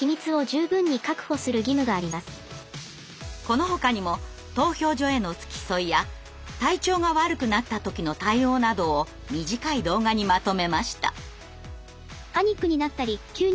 このほかにも投票所への付き添いや体調が悪くなった時の対応などを短い動画にまとめました。